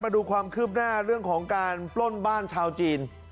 มาดูความคืบหน้าเรื่องของการปล้นบ้านชาวจีน